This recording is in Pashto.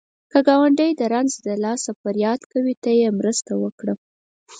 که ګاونډی د رنځ له لاسه فریاد کوي، ته یې مرسته وکړه